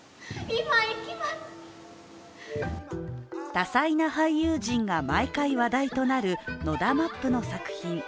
多彩な俳優陣が毎回話題となるＮＯＤＡ・ＭＡＰの作品。